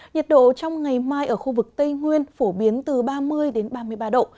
nhiệt độ trong ngày mai ở khu vực tây nguyên phổ biến từ ba mươi ba mươi ba độ